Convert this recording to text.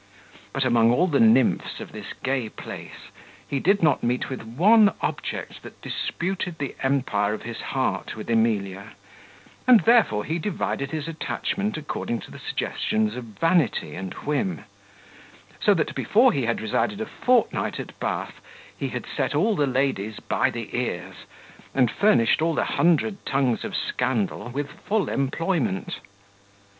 But, among all the nymphs of this gay place, he did not meet with one object that disputed the empire of his heart with Emilia, and therefore he divided his attachment according to the suggestions of vanity and whim; so that, before he had resided a fortnight at Bath, he had set all the ladies by the ears, and furnished all the hundred tongues of scandal with full employment.